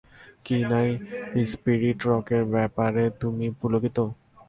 কিনাই, স্পিরিট রকের ব্যাপারে তুমি পুলকিত?